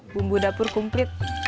bumbu dapur kumplit